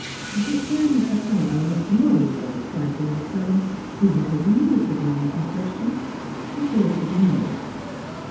But when, apparently much annoyed by the trifling occurrence, he would have removed the garment in question, his daughter demurred.